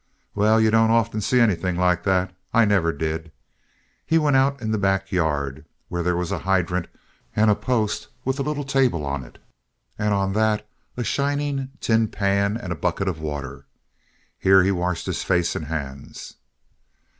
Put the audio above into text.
"Well, you don't often see anything like that. I never did." He went out in the back yard, where there was a hydrant and a post with a little table on it, and on that a shining tin pan and a bucket of water. Here he washed his face and hands.